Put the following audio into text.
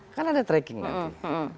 kan ada tracking nanti